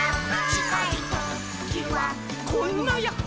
「ちかいときはこんなヤッホ」